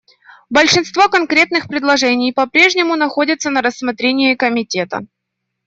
Большинство конкретных предложений по-прежнему находится на рассмотрении Комитета.